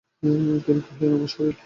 তিনি কহিলেন, আমার শরীর!